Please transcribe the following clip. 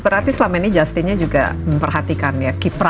berarti selama ini justinnya juga memperhatikannya kiprah